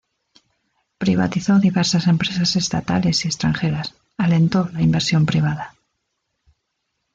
Privatizó diversas empresas estatales y extranjeras, alentó la inversión privada.